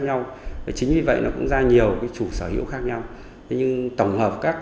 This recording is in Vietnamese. mọi chuyện tưởng chứng như đơn giản